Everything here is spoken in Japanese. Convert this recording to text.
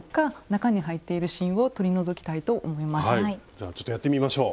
じゃあちょっとやってみましょう。